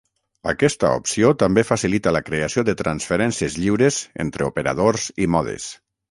Aquesta opció també facilita la creació de transferències lliures entre operadors i modes.